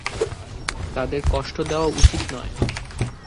তাদের কষ্ট দেওয়া উচিত নয়।